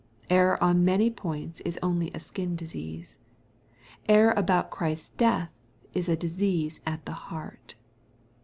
Error on many points is only a skin disease. Error about Christ's death is a disease at the heart.